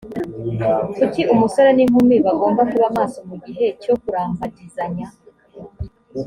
kuki umusore n’inkumi bagomba kuba maso mu gihe cyo kurambagizanya?